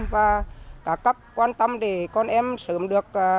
các cấp quan tâm để con em sớm được